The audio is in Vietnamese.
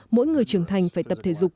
mỗi người trưởng thành phải tập thể dục